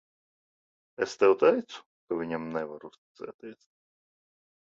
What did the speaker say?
Es tev teicu, ka viņam nevar uzticēties.